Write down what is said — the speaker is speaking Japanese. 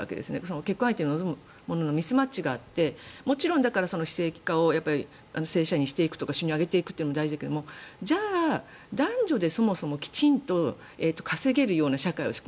結婚相手に望むもののミスマッチがあってもちろん正規雇用にしていくとか収入を上げていくのも大事だけど男女でそもそもきちんと稼げるようにする。